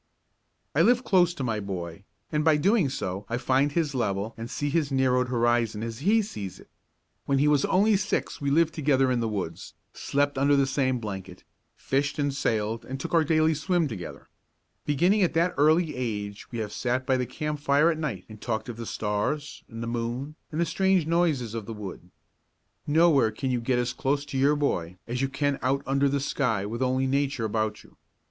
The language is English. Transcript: I live close to my boy, and by so doing I find his level and see his narrowed horizon as he sees it. When he was only six we lived together in the woods, slept under the same blanket, fished and sailed and took our daily swim together. Beginning at that early age we have sat by the campfire at night and talked of the stars and the moon and the strange noises of the wood. Nowhere can you get as close to your boy as you can out under the sky with only Nature about you.